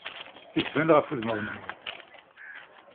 Yettban ɣef udmawen-nwen.